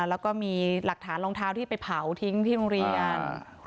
แล้วก็มีหลักฐานรองเท้าที่ไปเผาทิ้งที่โรงเรียน